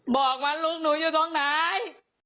บอกว่าลูกหนูอยู่ตรงไหน